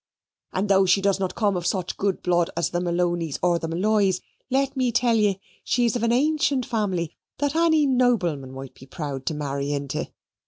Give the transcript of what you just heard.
And though she does not come of such good blood as the Malonys or Molloys, let me tell ye, she's of an ancient family that any nobleman might be proud to marry into."